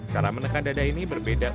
cara menekan dada ini berbeda